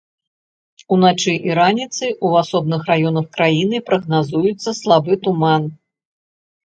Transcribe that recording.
Уначы і раніцай у асобных раёнах краіны прагназуецца слабы туман.